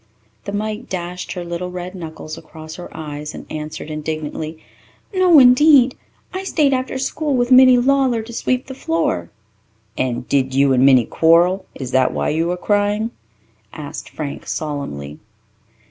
The mite dashed her little red knuckles across her eyes and answered indignantly, "No, indeed. I stayed after school with Minnie Lawler to sweep the floor." "And did you and Minnie quarrel, and is that why you are crying?" asked Frank solemnly.